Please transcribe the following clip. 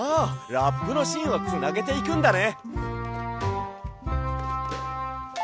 ラップのしんをつなげていくんだね！